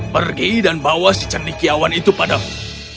pergi dan bawa si cendekiawan itu padamu